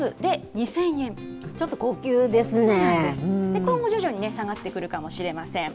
今後、徐々に下がってくるかもしれません。